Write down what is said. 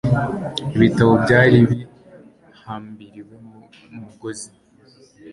Ibitabo byari bihambiriye mu mugozi.